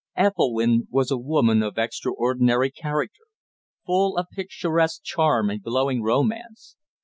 Ethelwynn was a woman of extraordinary character, full of picturesque charm and glowing romance.